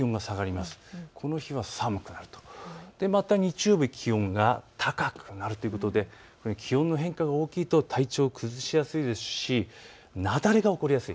また日曜日、気温が高くなるということで気温の変化が大きいと体調を崩しやすいですし、雪崩が起こりやすい。